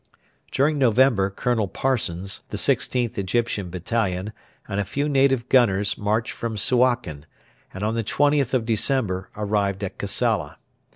During November Colonel Parsons, the 16th Egyptian Battalion, and a few native gunners marched from Suakin, and on the 20th of December arrived at Kassala.